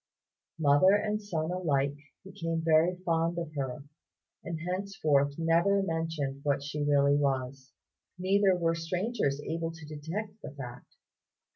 Mother and son alike became very fond of her, and henceforth never mentioned what she really was; neither were strangers able to detect the fact.